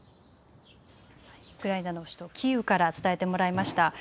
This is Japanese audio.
ウクライナの首都キーウから伝えてもらいました。